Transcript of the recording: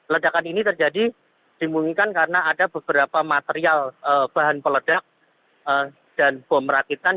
ledakan ini terjadi dimungkinkan karena ada beberapa material bahan peledak dan bom rakitan